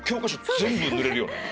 全部ぬれるよね。